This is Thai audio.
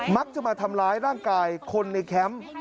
มักจะมาทำร้ายร่างกายคนในแคมป์